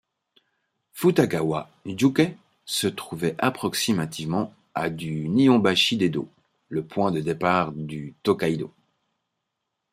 Futagawa-juku se trouvait approximativement à du Nihonbashi d'Edo, le point de départ du Tōkaidō.